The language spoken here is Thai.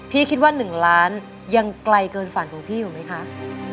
พี่คิดว่าหนึ่งล้านยังไกลเกินฝั่งของพี่อยู่มั้ยคะ